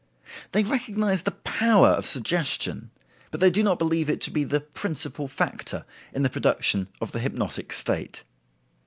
They recognize the power, of suggestion, but they do not believe it to be the principal factor in the production of the hypnotic state."